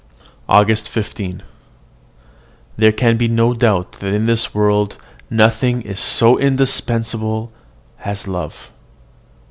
AUGUST 15. There can be no doubt that in this world nothing is so indispensable as love.